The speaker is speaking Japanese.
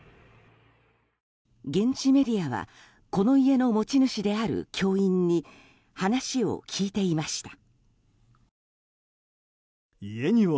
現地メディアはこの家の持ち主である教員に話を聞いていました。